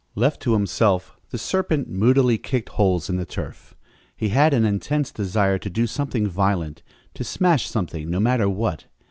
Left to himself the serpent moodily kicked holes in the turf. He had an intense desire to do something violent to smash something, no matter what.